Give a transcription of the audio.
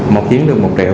một chiến được một triệu